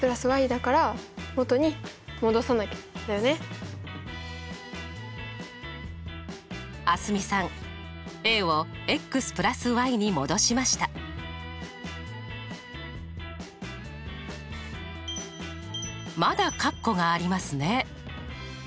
だから元に戻さな蒼澄さんＡをに戻しましたまだカッコがありますね。